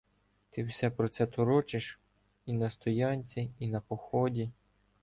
Ти все про це торочиш — і на стоянці, і на поході.